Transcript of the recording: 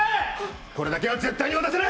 これだけは絶対に渡せない！